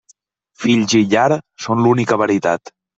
Fills i llar són l'única veritat.